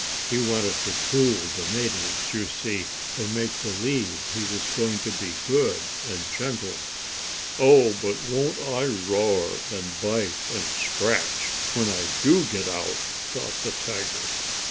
He wanted to fool the natives, you see, and make believe he was going to be good and gentle. "Oh, but won't I roar and bite and scratch when I do get out!" thought the tiger.